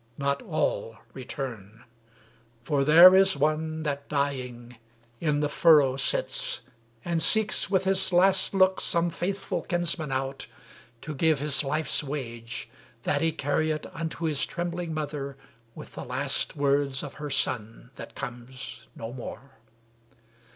not all return, for there is one That dying in the furrow sits, and seeks With his last look some faithful kinsman out, To give his life's wage, that he carry it Unto his trembling mother, with the last Words of her son that comes no more.